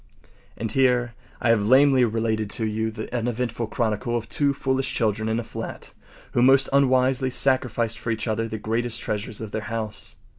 And here I have lamely related to you the uneventful chronicle of two foolish children in a flat who most unwisely sacrificed for each other the greatest treasures of their house.